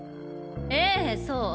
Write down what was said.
ええそう。